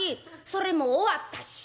「それもう終わったし」。